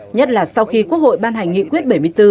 nhất là sau khi quốc hội ban hành nghị quyết bảy mươi bốn